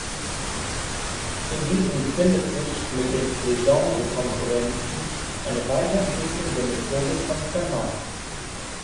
In diesem findet sich mit den "Legendre-Kongruenzen" eine Weiterentwicklung der Methode von Fermat.